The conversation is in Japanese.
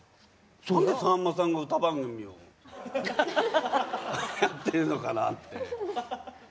何でさんまさんが歌番組をやってるのかなって。